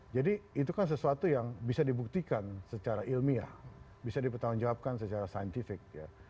jadi itu kan sesuatu yang bisa dibuktikan secara ilmiah bisa dipertanggungjawabkan secara scientific